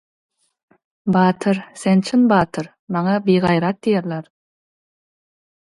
- Batyr, sen çyn batyr. Maňa bigaýrat diýerler.